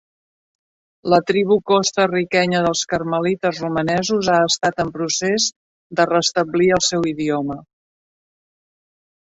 La tribu costa-riquenya dels carmelites romanesos ha estat en procés de restablir el seu idioma.